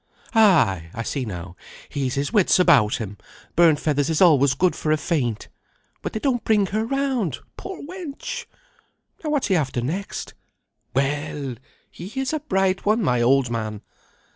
Ay, I see now, he's his wits about him; burnt feathers is always good for a faint. But they don't bring her round, poor wench! Now what's he after next? Well! he is a bright one, my old man!